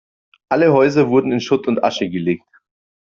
Alle Häuser wurden in Schutt und Asche gelegt.